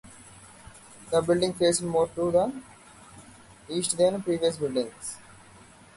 The building faced more to the east than previous buildings.